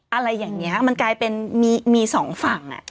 อะไรอย่างนี้มันกลายเป็นมีสองฝั่ง